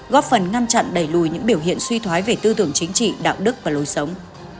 góp phần ngăn chặn đẩy lùi những biểu hiện suy thoái về tư tưởng chính trị đạo đức và lối sống